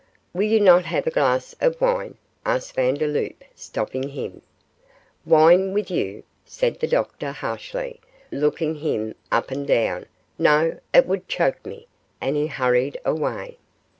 'Will you not have a glass of wine?' asked Vandeloup, stopping him. 'Wine with you?' said the doctor, harshly, looking him up and down; 'no, it would choke me,' and he hurried away.